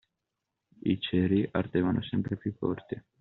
I ceri ardevano sempre più corti.